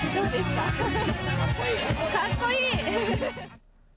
かっこいい！